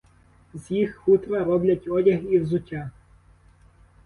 З їх хутра роблять одяг і взуття.